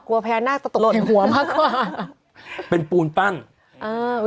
กังวเนื่องหน้าก์จะตกลดหัวมากกว่าเป็นปูนตั้งเอ่อ